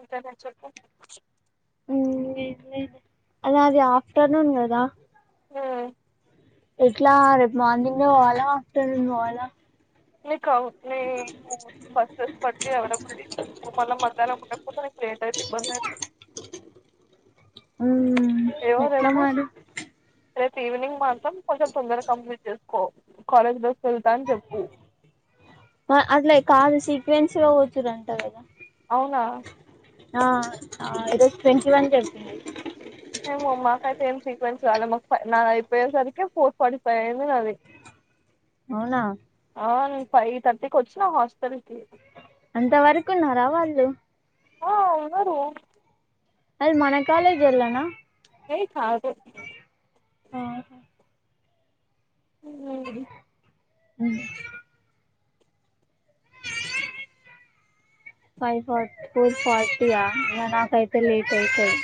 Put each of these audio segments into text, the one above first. ఇంకా ఏదన్న చెప్పండి అయిన అది ఆఫ్టర్నూన్ గదా ఎట్లా రేపు మార్నింగే పోవాలా ఆఫ్టర్నూన్ పోవాలా నీకు [unintelligible] బస్సెస్ పటి అవైలబలిటీ [unintelligible] పు లా మధ్యలో కొత్త కొత్త లేట్ అయితే ఇబ్బంది అయితది ఉమ్మ్ ఎట్లా మరి రేపు ఈవినింగ్ మాత్రం కొంచెం తొందరగా కంప్లీట్ చేసుకో కాలేజ్ బస్ వెళ్తా అని చెప్పు అట్లా కాదు సీక్వెన్స్ లో కూచురంట కదా అవునా ఆ ఈరోజు ట్వంటీ వన్ వెళ్తుంది మేమ మాక అయితే ఏం క్వెన్సీ రాలేదు మాకు నా అయిపోయేసరికి ఫోర్ ఫార్టీ ఫైవ్ అయింది నాది అవునా ఆ నేను ఫైవ్ థర్టీకి వచ్చిన హాస్టల్ కి అంత వరకు ఉన్నారా వాళ్లు ఆ ఎవరు అది మన కాలేజ్ ఎల్లనా ఏ కాదు ఆ ఉహ్ ఉ ఫైవ్ ఫార్ ఫోర్ ఫార్టీయా ఇగా నాకైతే లేట్ అయితది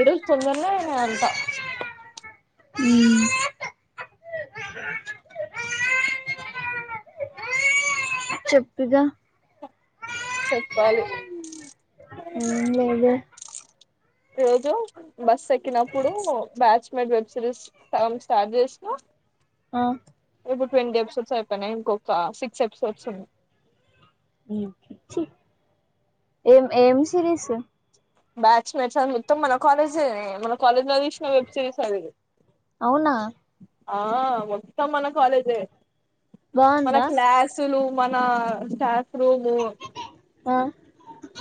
ఈరోజు తొందరగానే అయి వంట ఉ చెప్పిగా చెప్పాలి ఏం లేదు రోజు బస్ ఎక్కినప్పుడు batchmate web series charges ఆ ఇప్పుడు టెన్ ఎపిసోడ్స్ అయిపోయినాయి ఇంకొక సిక్స్ ఎపిసోడ్స్ ఉన్నాయి ఏ ఏం సిరీస్ బ్యాట్స్ మెట్స్ మొత్తం మన కాలేజే మన కాలేజ్ లో తీసిన వెబ్ సిరీస్ అది అవునా ఆ మొత్తం మన కాలేజే మన బాగుందా క్లాసులు మన స్టాఫ్ రూము ఆ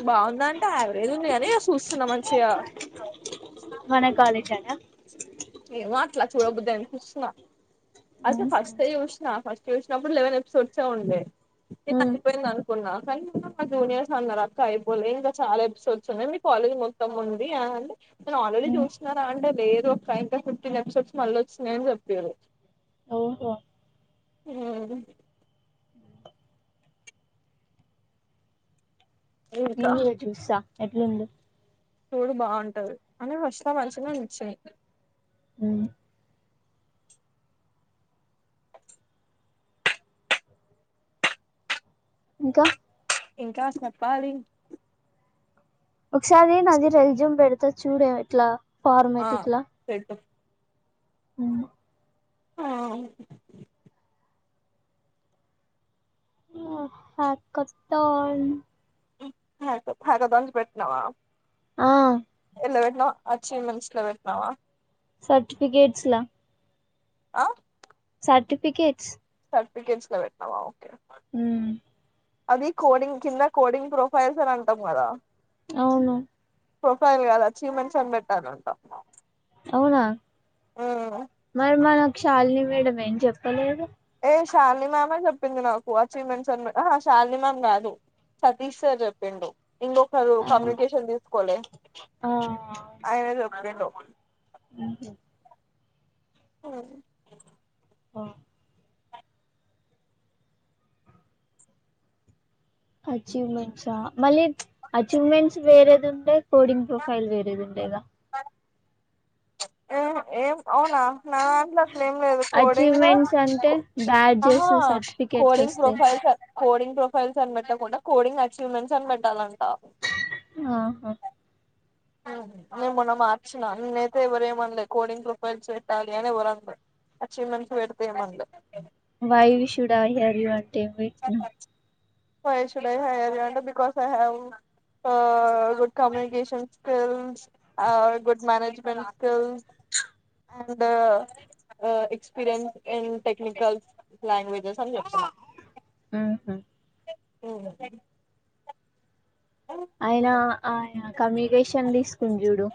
బాగుందా అంటే యావరేజ్ ఉంది అని చూస్తున్నా మంచిగా మన కాలేజానా ఏ అట్లా చూడ బుద్ధి అయింది చూస్తున్న అయితే ఉమ్ ఫస్ట్ ఏ చూసిన ఫస్ చూసినప్పుడు లెవెన్ ఎపిసోడ్స్ ఉండే నేను అయిపోయిందను అనుకున్న కానీ మా జూనియర్స్ అందరు అక్క అయిపోలే ఇంకా చాలా ఎపిసోడ్స్ ఉన్నాయి మీ కాలేజ్ మొత్తం ఉంది అ నేను ఆల్రెడీ ఉమ్ చూస్తునారా అంటే లేదు ఒక ఇంకా ఫిఫ్టీన్ ఎపిసోడ్స్ మళ్ళీ వచ్చినాయని చెప్పారు అవునా అ ఇంకా నేను కూడా చూస్తా ఎట్లుందో చూడు బాగుంటది అని వస్తా మంచిగా నచ్చాయి ఉమ్ ఇంకా ఇంకా చెప్పాలి ఒకసారి నది రెస్యూమ్ పెడుతా చూడు ఎట్లా ఆ పెట్టు మ్ ఆ ఆహకత్త హై హైదరాబాద్ ది పెెట్నావా ఆ ఎల్ల పెట్టినావు అచ్ ఈ మెయిల్ల పెట్టినవా సర్టిఫికెట్స్లా ఆ సర్టిఫికేట్స్ సటిఫట్స్ ల పెట్టినవా ఓకే మ్ అది కోడింగ్ కింద కోడింగ్ ప్రొఫైల్స్ అని అంటాం కదా అవును ప్రొఫైల్ కదా అచీవ్మెంట్స్ అని పెెట్టాలంటా అవునా మరి మనకు షాలీని మేడం ఏం చెప్పలేదు షాలిని మ్యామే చెప్పింది నాకు అచీవ్మెంట్స్ అని అహ షాలిని మ్యామ్ కాదు సతీష్ సర్ చెప్పిండు ఇంకొకరు ఆ కమ్యూనికేషన్ తీసుకోలే ఆ ఆయన చెప్పిండు మ్ హు అది అ అచీవ్మెంట్సా మళ్ళీ అచీవ్మెంట్స్ వేరేది ఉండే కోడింగ్ ప్రొఫైల్ వేరేది ఉండేగ ఆ ఏం అవునా నా నాదాంట్లే అట్ ట్లెం లేదు కోడింగ్ కో అచీవ్మెంట్స్ అంటే ఆహా బ్యాడ్జెస్ సర్టిఫికేట్స్ కోడింగ్ వస్తాయి ప్రొఫైల్ స కోడింగ్ ప్రొఫైల్స్ అని పెట్టకుండా కోడింగ్ అచీవ్మెంట్స్ అని పెట్టాలన్ ఆహా నేన్ మొన్న మార్చిన నన్నయితే ఎవరేమనలేదు కోడింగ్ ప్రొఫైల్స్ పెట్టాలని ఎవ్వరనలే అచీవ్మెంట్స్ పెడుతే ఎం అనలే why we should hire you అంటే ఎం పెట్టినావ్ why we should hire you అంతే because I have a good communication skills a good management skills and experience in technical languages అని చెప్త మ్ హు మ్ ఆయన ఆయన కమ్యూనికేషన్ తీసుకుంది చూడు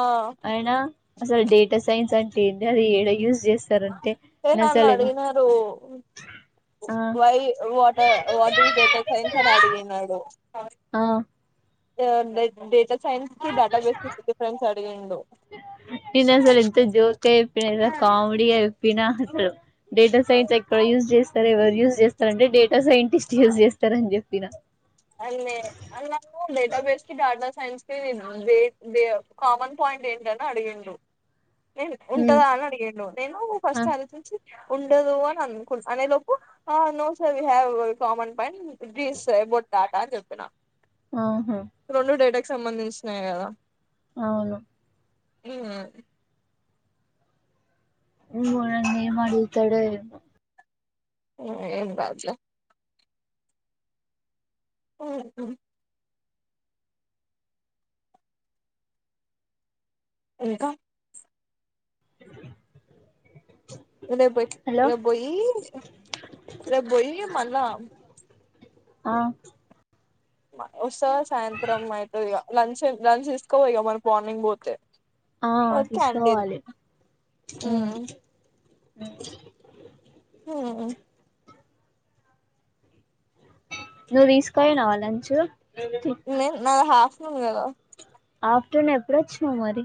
ఆ అయినా అసలు డేటా సైన్స్ అంటే ఏంటి అది ఎడ యూజ్ చేస్ తే నన్ను అడిగినారు ఆ why what what is data science అని అడిగినడు ఆ అ డ్ డేటా సైన్స్ కి డటా బేసెస్ డిఫ్రెండ్స్ అడిగిండు నేనసలు ఎంత జోక్ గా చెప్పిన తెలుస కామెడీగా చెప్ వినహా డేటా సైన్స్ ఎక్కడ యూజ్ చేస్తారు ఎవరు యూజ్ చేస్తారంటే డేటా సైంటిస్ట్ యూజ్ చేస్తా రని చెప్పిన అన్లే అన్నకు డేటాబేస్ డేటా స్ సైన్స్ కే పోయినవ డేట్ ద కామన్ పాయింట్ ఏంటని అడిగాను నేను ఉమ్ ఉంటదా అని అడిగాడు నేను ఆ ఫస్ట్ అది నుంచి ఉండదు అని అనుకుంట అనే లోపు no sir we have common point this about data ఆని చెప్పిన ఆహా సంబంధించినయే కదా అవును [unintelligible] ఉహుమ్ ఆయన ఏం అడుగుతాడో ఏమో ఏమ్ బడ్లా ఉహుమ్ ఇంకా రెబ్బోయి హలో రెప్ బోయి రెప్ బోయి మళ్ళ ఆ వాస్తవ సాయంత్రం అయితది ఈగ లంచ్ లంచ్ తీసుకపో ఇక మరి మార్నింగ్ పోతే ఆ క్యాంటీన్ తీసుకోవాలి ఉమ్ హ్మ్ అమ్ ఆ హుమ్ నువ్వు తీసుకుపోయినవా లంచు నే నా ఆఫ్టర్నూన్ కదా ఆఫటర్నూన్ ఎప్పుడూ వచ్చినవ్ మరి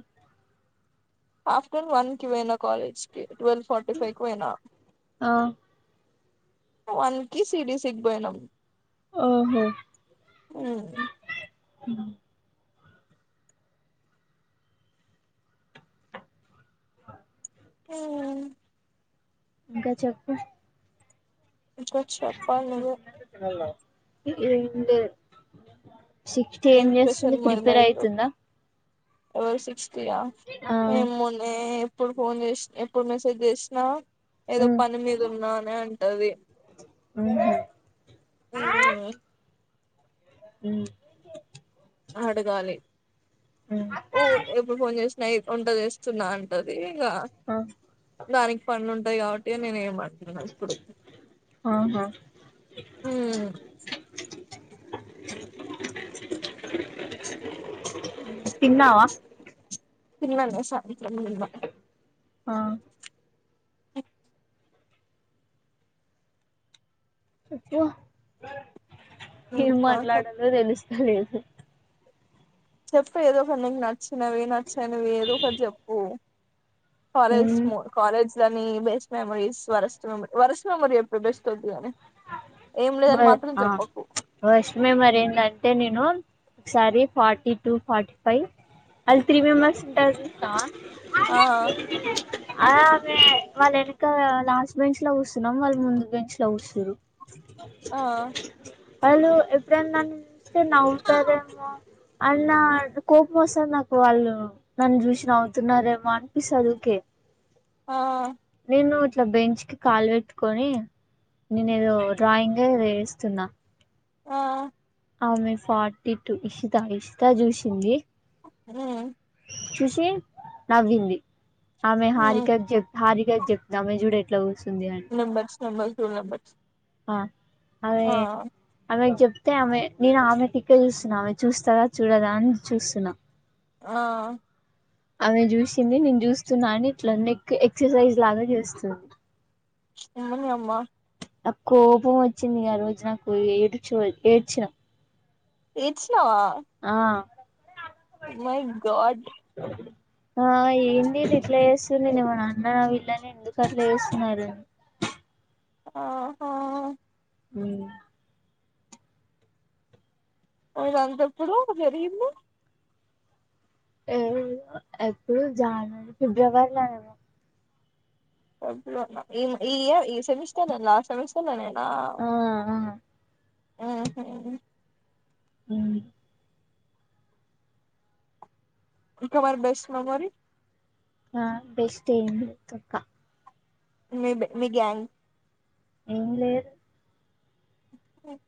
ఆఫ్టర్న్ వన్ కి పోయినా కాలేజ్ కి ట్వల్వ్ ఫార్టీ ఫైవ్ కి పోయినా ఆ వన్ కి సిబిసికి పోయినాం ఓహో ఉమ్. ఆమ్ ఇంకా చెప్పు నువ్వే చేప్పాలి నువ్వే ఎం లేదు చిట్టి ఎం ఏం చేస్తుంది స్పెషల్ మరి ప్రిపర్ నైట్ అవుతుందా ఎవరు సిక్ట్ ఆ ఆ ఏమో లే ఎప్పుడు ఫోన్ చేసిన ఎప్పుడు మెసేజ్ చేసినా ఏదో ఉమ్ పని మీద ఉన్నా అనే అంటది ఉహుమ్ ఉమ్ అడగాలి ఓ ఎప్పుడు ఫోన్ చేసిన ఎప్పు ఉంటది వస్తున్నా అంటది ఇగా దానికి పనులు ఉంటది కాబట్టి అని నేనే ఏమంటున్నా ఇప్పుడు ఆహా ఉమ్ [inaudible] తిన్నావా తిన్నాను సాయంత్రం నిన్నా ఆ చెప్పు ఏం మాట్లాడాలో తెలుస్తా లేదు చెప్పు ఏదో ఒకటి నీకు నచ్చినవి నచ్చనివి ఏదో ఒకటి చెప్పు ఏం కాలేజ్ మోర్ కాలేజ్ దాని బెస్ట్ మెమోరీస్ వర్స్ట్ మె వర్స్ట్ మెమోరి ఎప్పుడు బెస్ట్ వద్దు గాని ఏం లేదని మాత్రం ఆ చెప్పకు వర్స్ట్ మెమోరి ఎందంటే నేను ఒకసారి ఫార్టీ టు ఫార్టీ ఫైవ్ అది త్రీ మెంబర్స్ ఉంటరు చూసావ ఆ అలాగే వాళ్ళ ఎనకల లాస్ట్ బెంచ్లో కూసున్నాం వాళ్ళు ముందు బెంచ్లో కూచ్చిరు ఆ వాళ్ళు ఎప్పుడన్న నన్ను చూస్తే నవ్వుతారేమో అన్నా కోపం వస్తది నాకు వాళ్ళు నన్ను జూసి నవ్వుతున్నారేమో అనిపిస్తది ఊకే ఆ నేను ఇట్లా బెంచ్కి కాలు వెట్టుకొని నేను ఏదో డ్రాయింగే వేస్తున్నా ఆ ఆమె ఫార్టీ టు ఇషితా ఇషితా జూసింది మ్మ్ చూసి నవ్వింది ఆమె ఉమ్ హారికక్ జెప్ హారికక్ జెప్ గమ్మయ్ చూడు ఎట్లా కు సింది అని నెంబర్ టూ నెంబర్స్ అ అదే ఆ అమెకి జెప్ తే ఆమె నేను ఆమె దిక్కే చూస్తున్న ఆమె చూస్తాద చూడదా అని చూస్తున్న ఆ అమె జూసింది నేను జూస్తున్న అని ఇట్ల నెక్ ఎక్సర్సైజ్ లాగా చేస్తుంది అమ్మని యమ్మ నకోపం వచ్చింది ఆ రోజు నాకు ఏడుచు ఏడ్చిన ఏట్స్ ఆ మై గాడ్ ఆ ఏంటి గిట్లా చేస్తుంది ఏమన్న అన్నాన. వీళ్ళని ఎందుకు అట్ల చేస్తున్నారు [inaudible] ఆహా మ్మ్ ఇదంత ఎప్పుడు జరిగింది ఏమో ఎప్పుడు జానవరి ఫిబ్రవరిలోనేమో ఎప్పుడన్న ఈమ్ ఈ ఇయర్ ఈ సెమిస్టర్ అ లాస్ట్ సెమిస్టర్లోనే ఆ మ్ హు మ్ ఇంకా మరి బెస్ట్ మెమోరి ఆ బెస్ట్ ఏం లేదు తొక్క మేబి మీ గ్యాంగ్ ఏమి లేరు ఓయ్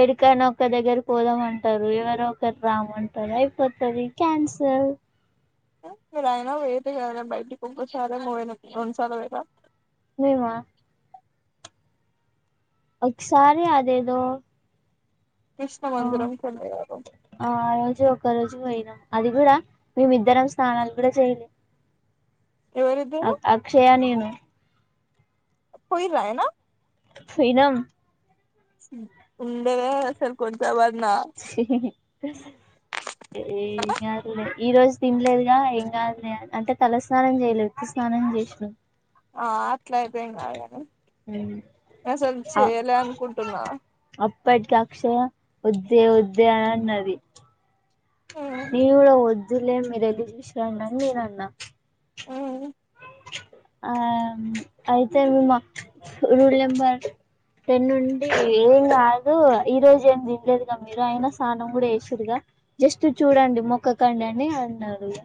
ఎడికైన ఒక్క దగ్గర పోదామంటారు ఎవరు ఒకరు రామంటారు అయిపోతది క్యాన్సిల్ సా మీరయనా వేటిగైన బయటకి కొకసారే బోయినం రెండు సార్లు పోయిర మేమ ఒక్సారి అదేదో కృష్ణ ఆ మందిరం కెళ్ళారు ఆ ఎరోజు ఒకరోజ్ బోయినం అది గూడా మేమిద్దరం స్నానాలు గూడా జేయలే ఎవరిద్దరు అక్ అక్షయా నేను పోయిండ్రా ఆయనా ఫొయ్ నాం ఉండేదే అస్సల్ కొంతమం ఏమ్ గాదులే ఈ రోజు తిండ్లేదు గా ఇంగా అంటే తలస్నానం జేయలేదు వుత్తు స్నాన జేషిన ఆ అట్లైతే ఎం గాదు గని అసల్ చేయలే అనుకుంటున్నా బయ్ట్ కా అక్షయ వద్దే వద్దే అనిఅన్నది ఉమ్ నేన్ గుడా వొద్ వొద్దులే మీరెళ్ళీ జూషిరాండని నేనన్నా ఉమ్ ఆ మ్ అయితే మేమ రూల్ నెంబర్ టెన్నుండి ఏం గాదు. ఈ రోజు ఏం దిండ్లేదుగా మీరు అయినా స్నానం గుడా ఏసిర్రుగా జస్ట్ చూడండి. మొక్కకండి అని అన్నారు ఇగ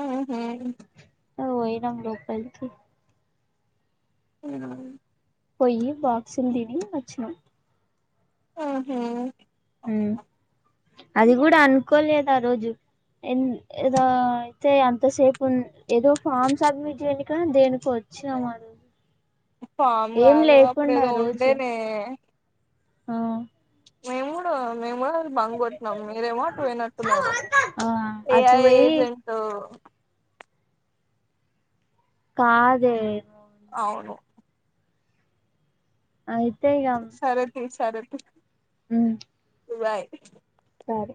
ఆహా ఓ వొయినమ్ లోపల్కి అ పోయ్యి బాక్సుల్ దిని వచ్చినం ఆహ ఉ అది గుడా అనుకోలేదు. ఆ రోజు ఎం ఏదో అయితే అంతసేపు ఉన్ ఏదో ఫామ్ సబ్మిట్ జెయినికనో దేనికో ఇచ్చినాం ఆ రోజు ఫామ్ ఏం గాదు లేకుండా అప్పుడేదో ఆ ఉండె రోజు నే ఆ మేమ్ గూడా మేమ్ కడా బంగ్ గొట్టినాం మీరేమో అటు వోయినట్టున్నారు. ఆ అటు ఏఐ పోయి ఏజెంతో కాదే అవును అయ్ సరే తీ సరే తీ ఉ [unintelligible] అది